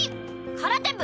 空手部。